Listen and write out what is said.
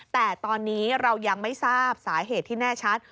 แต่ตอนนี้เรายังไม่ทราบสาเหตุที่แน่ชัด